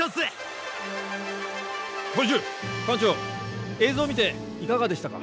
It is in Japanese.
教授館長映像見ていかがでしたか？